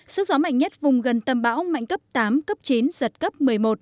sức gió mạnh nhất vùng gần tâm bão mạnh cấp tám cấp chín giật cấp một mươi một